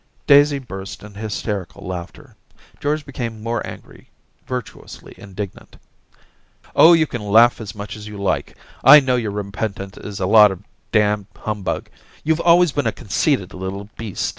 Daisy burst into hysterical laughter. George became more angry — virtuously indignant. * Oh, you can laugh as much as you like ! I know your repentance is a lot of damned humbug. YouVe always been a conceited little beast.